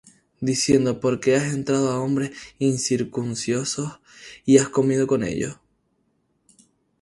Diciendo: ¿Por qué has entrado á hombres incircuncisos, y has comido con ellos?